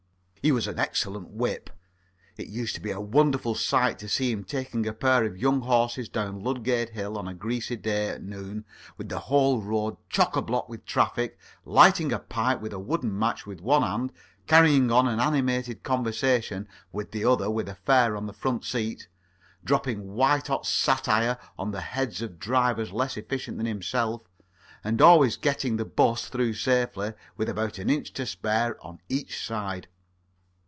He was an excellent whip. It used to be a wonderful sight to see him taking a pair of young horses down Ludgate Hill on a greasy day at noon, with the whole road chock a block with traffic, lighting a pipe with a wooden match with one hand, carrying on an animated conversation with the other with a fare on the front seat, dropping white hot satire on the heads of drivers less efficient than himself, and always getting the 'bus through safely with about an inch to spare on each side.